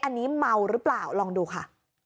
อันนี้เมาหรือเปล่าลองดูค่ะ